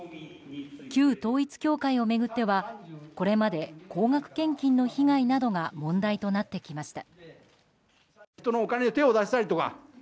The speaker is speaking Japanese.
旧統一教会を巡っては、これまで高額献金の被害などが問題となってきました。